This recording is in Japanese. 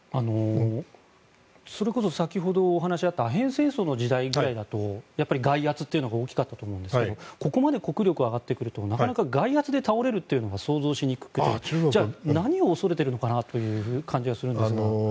それこそ先ほどお話があったアヘン戦争の時代だとやっぱり外圧というのが大きかったと思いますがここまで国力が上がってくると外圧で倒れることは想像しにくくてじゃあ何を恐れているのかという感じがするんですが。